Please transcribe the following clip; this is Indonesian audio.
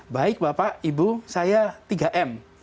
baik bapak ibu saya tiga m